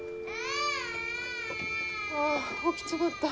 ・ああ起きちまった。